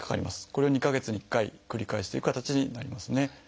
これを２か月に１回繰り返しという形になりますね。